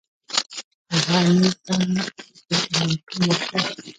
هغه امیر ته اولټیماټوم ورکړ.